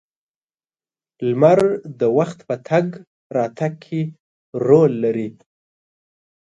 • لمر د وخت په تګ راتګ کې رول لري.